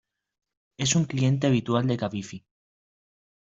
Es un cliente habitual de Cabify.